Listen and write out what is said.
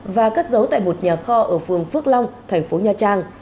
và cắt giấu tại một nhà kho ở phương phước long tp nha trang